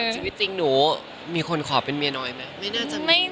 ชีวิตจริงหนูมีคนขอเป็นเมียน้อยไหม